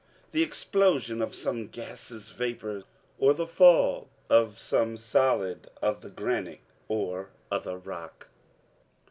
The explosion of some gaseous vapors, or the fall of some solid, of the granitic or other rock.